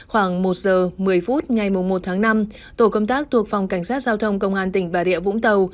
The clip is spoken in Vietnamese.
khoảng một giờ một mươi phút ngày một tháng năm tổ công tác thuộc phòng cảnh sát giao thông công an tỉnh bà rịa vũng tàu